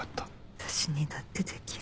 私にだってできる。